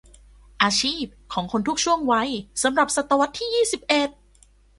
อาชีพของคนทุกช่วงวัยสำหรับศตวรรษที่ยี่สิบเอ็ด